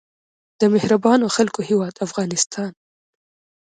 د مهربانو خلکو هیواد افغانستان.